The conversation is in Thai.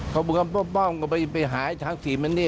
กระบวนการป้อมไปหาใช้ผักสีมันนี่